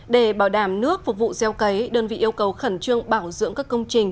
để bảo đảm nước phục vụ gieo cấy đơn vị yêu cầu khẩn trương bảo dưỡng các công trình